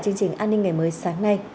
chương trình an ninh ngày mới sáng nay